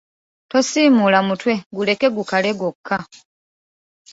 Tosiimuula mutwe guleke gukale gwokka